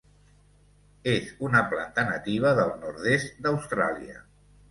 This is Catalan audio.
És una planta nativa del nord-est d'Austràlia.